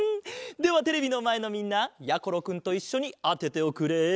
ではテレビのまえのみんなやころくんといっしょにあてておくれ。